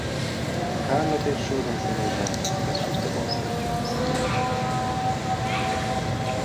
Carnot és Jourdan szemében ez puszta balszerencsének számított.